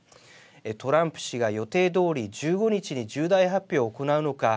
トランプ氏が予定どおり１５日に重大発表を行うのか。